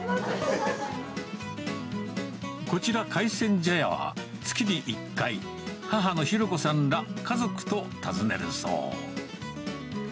こちら、海鮮茶屋は、月に１回、母のヒロ子さんら、家族と訪ねるそう。